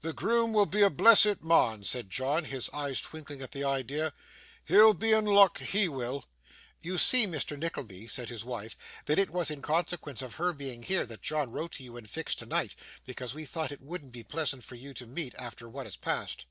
'The groom will be a blessed mun,' said John, his eyes twinkling at the idea. 'He'll be in luck, he will.' 'You see, Mr. Nickleby,' said his wife, 'that it was in consequence of her being here, that John wrote to you and fixed tonight, because we thought that it wouldn't be pleasant for you to meet, after what has passed.